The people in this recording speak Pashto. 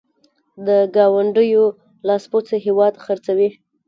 د ګاونډیو لاسپوڅي هېواد خرڅوي.